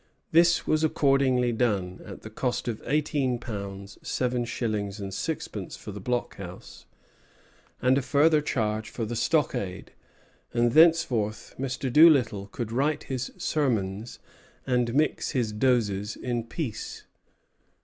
This was accordingly done, at the cost of eighteen pounds, seven shillings, and sixpence for the blockhouse, and a farther charge for the stockade; and thenceforth Mr. Doolittle could write his sermons and mix his doses in peace.